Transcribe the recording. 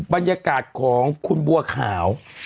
บรรยากาศของคุณบัวขาว